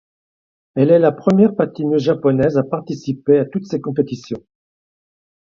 Elle est la première patineuse japonaise à participer à toutes ces compétitions.